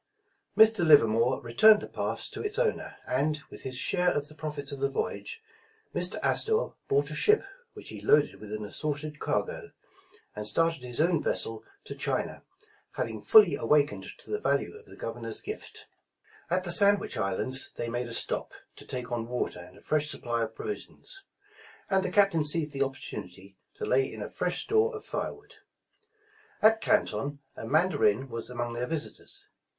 Mr. Livermore returned the Pass to its owner, and with his share of the profits of the voyage, Mr. Astor 133 The Original John Jacob Astor bought a ship, which he loaded with an assorted cargo, and started his own vessel to China, having fully awakened to the value of the Governor's gift. At the Sandwich Islands they made a stop, to take on water and a fresh supply of provisions, and the Cap tain seized the opportunity to lay in a fresh store of fire wood. At Canton, a mandarin was among their visitors.